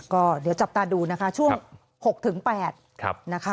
ก็เดี๋ยวจับตาดูนะคะช่วง๖๘นะคะ